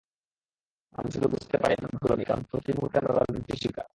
আমরা শুধু বুঝতে পারি আমরা ভালো নেই, কারণ প্রতিমুহূর্তে আমরা রাজনীতির শিকার।